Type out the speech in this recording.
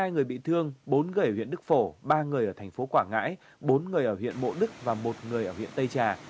hai người bị thương bốn người ở huyện đức phổ ba người ở thành phố quảng ngãi bốn người ở huyện mộ đức và một người ở huyện tây trà